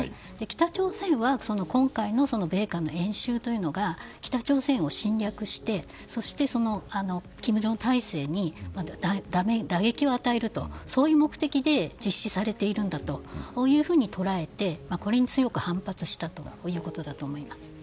北朝鮮は今回の米韓の演習というのが北朝鮮を侵略して金正恩体制に打撃を与えるという目的で実施されているんだというふうに捉えてこれに強く反発したということだと思います。